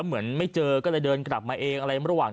เหลือไม่เจอก็เลยเดินกลับมาเอง